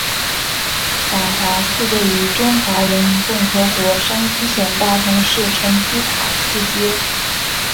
法华寺位于中华人民共和国山西省大同市城区塔寺街。